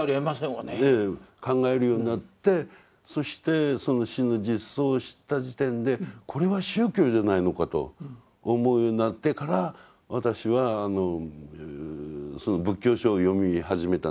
考えるようになってそしてその死の実相を知った時点でこれは宗教じゃないのかと思うようになってから私は仏教書を読み始めたんです。